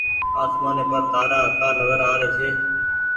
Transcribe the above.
آسمآني پر تآرآ ڪآ نزر آ ري ڇي۔